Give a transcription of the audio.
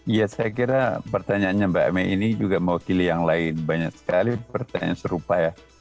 ya saya kira pertanyaannya mbak me ini juga mewakili yang lain banyak sekali pertanyaan serupa ya